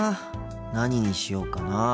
何にしようかなあ。